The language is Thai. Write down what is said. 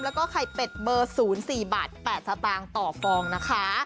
แล้วก็ไข่เป็ดเบอร์๐๔บาท๘สตางค์ต่อฟองนะคะ